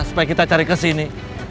supaya kita cari kesini